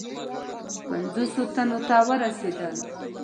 پنجوسو تنو ته ورسېدل.